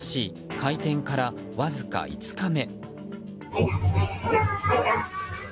しかし、開店からわずか５日目。